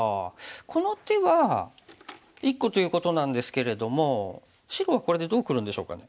この手は１個ということなんですけれども白はこれでどうくるんでしょうかね。